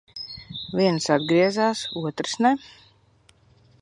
Viens atgriezās, otrs ne.